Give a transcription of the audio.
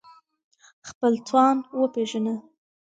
خپل توان وپېژنه